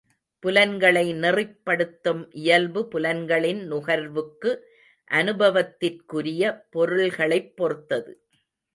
புலன்களை நெறிப் படுத்தும் இயல்பு புலன்களின் நுகர்வுக்கு அனுபவத்திற்குரிய பொருள்களைப் பொறுத்தது.